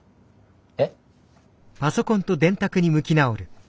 えっ？